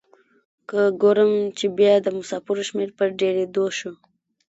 که ګورم چې بیا د مسافرو شمیر په ډیریدو شو.